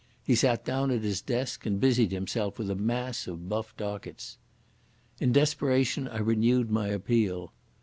He sat down at his desk, and busied himself with a mass of buff dockets. In desperation I renewed my appeal.